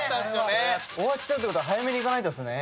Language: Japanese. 終わっちゃうってことは早めに行かないとですね。